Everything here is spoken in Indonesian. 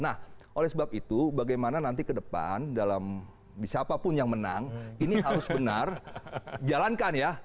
nah oleh sebab itu bagaimana nanti ke depan dalam siapapun yang menang ini harus benar jalankan ya